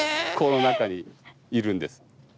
この中にいるんです。